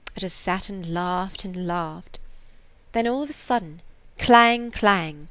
I just sat and laughed and laughed. Then all of a sudden, clang! clang!